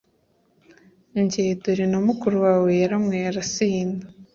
njye: dore na mukuru wawe yaranyweye arasinda